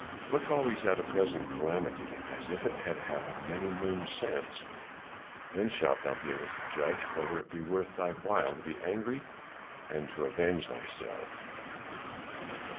Look always at a present calamity as if it had happened many moons since, then shalt thou be able to judge whether it be worth thy while to be angry and to avenge thyself."